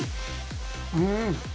うん！